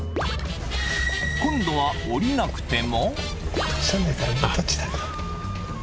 今度は降りなくても